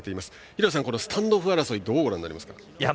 廣瀬さん、スタンドオフ争いをどうご覧になりますか。